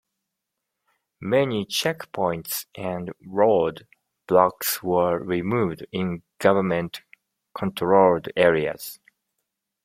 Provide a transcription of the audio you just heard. Many checkpoints and road blocks were removed in government controlled areas.